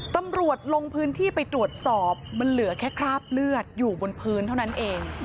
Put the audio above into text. ตำรวจลงพื้นที่ไปตรวจสอบมันเหลือแค่คราบเลือดอยู่บนพื้นเท่านั้นเอง